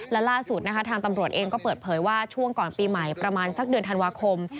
และล่าสุดนะคะทางตำรวจเองก็เปิดเผยว่าช่วงก่อนปีใหม่ประมาณสักเดือนธันวาคม